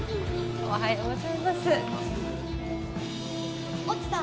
おはようございます越智さん